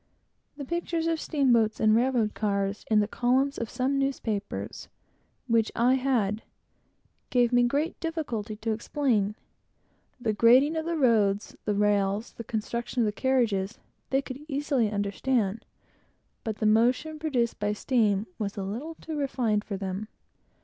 The pictures of steamboats and railroad cars, in the columns of some newspapers which I had, gave me great difficulty to explain. The grading of the road, the rails, the construction of the carriages, they could easily understand, but the motion produced by steam was a little too refined for them.